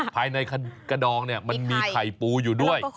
ภายในกระดองเนี่ยมันมีไข่ปูอยู่ด้วย